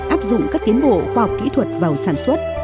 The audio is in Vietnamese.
áp dụng các tiến bộ khoa học kỹ thuật vào sản xuất